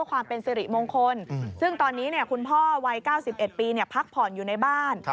ความเป็นสิริมงคลซึ่งตอนนี้คุณพ่อวัย๙๑ปีพักผ่อนอยู่ในบ้าน